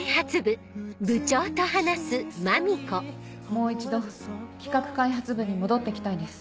もう一度企画開発部に戻って来たいです。